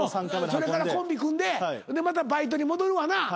それからコンビ組んででまたバイトに戻るわな。